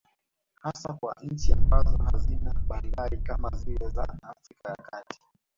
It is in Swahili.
Hasa kwa nchi ambazo hazina bandari kama zile za Afrika ya kati